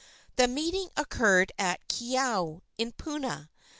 The meeting occurred at Keaau, in Puna.